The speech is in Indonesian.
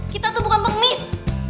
kita tuh bukan pengemis